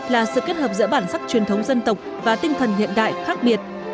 là sự kết hợp giữa bản sắc truyền thống dân tộc và tinh thần hiện đại khác biệt